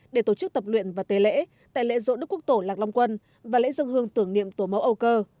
để tổ chức tập luyện và tế lễ tại lễ dỗ đức quốc tổ lạc long quân và lễ dân hương tưởng niệm tổ mẫu âu cơ